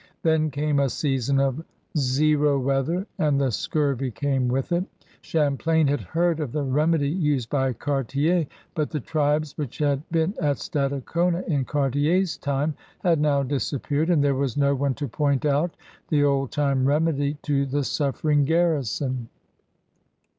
Then came a season of zero weather, and the scurvy came with it. Champ lain had heard of the remedy used by Cartier, but the tribes which had been at Stadacona in Cartier's time had now disappeared, and there was no one to point out the old time remedy to the suffering garrison.